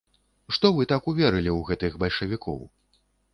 Што вы так уверылі ў гэтых бальшавікоў?